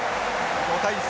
５対３。